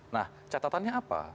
nah catatannya apa